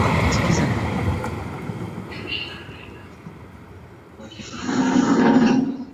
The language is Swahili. wanyama wazima kiafya wanaponyonya damu yao